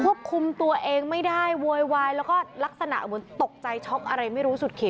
ควบคุมตัวเองไม่ได้โวยวายแล้วก็ลักษณะเหมือนตกใจช็อกอะไรไม่รู้สุดขี่